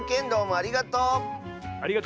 ありがとう！